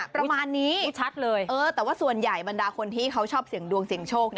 ประมาณนี้ชัดเลยแต่ว่าส่วนใหญ่บรรดาคนที่เขาชอบเสียงดวงเสียงโชค